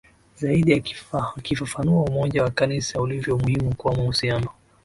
zaidi akifafanua umoja wa Kanisa ulivyo muhimu kwa mahusiano